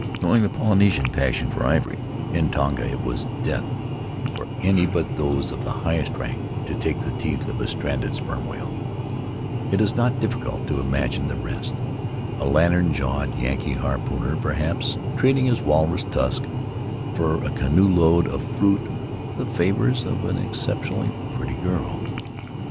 Knowing the Polynesian passion for ivory (in Tonga it was death for any but those of the highest rank to take the teeth of a stranded sperm whale) it is not difficult to inagine the rest — a Ian tern jawed Yankee harpooner, perhaps, trading his walrus tusk for a canoeload of fruit or the favors of an exceptionally pretty girl.